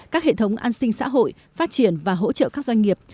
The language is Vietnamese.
các hệ thống an sinh xã hội phát triển và hỗ trợ các doanh nghiệp